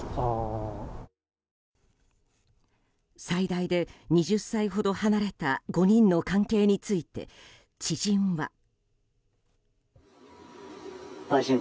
最大で２０歳ほど離れた５人の関係について知人は。